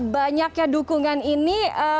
banyaknya dukungan ini